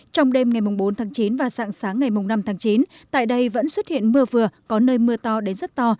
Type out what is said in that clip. trong đêm ngày bốn tháng chín và sáng sáng ngày năm tháng chín tại đây vẫn xuất hiện mưa vừa có nơi mưa to đến rất to